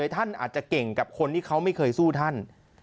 ท่านอาจจะเก่งกับคนที่เขาไม่เคยสู้ท่าน